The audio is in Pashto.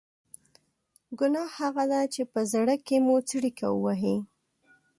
ګناه هغه ده چې په زړه کې مو څړیکه ووهي.